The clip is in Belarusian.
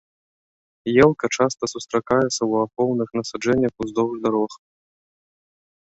Елка часта сустракаецца ў ахоўных насаджэннях уздоўж дарог.